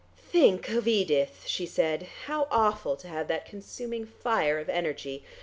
"Think of Edith," she said. "How awful to have that consuming fire of energy.